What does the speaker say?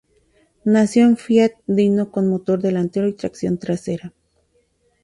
Nació el Fiat Dino con motor delantero y tracción trasera.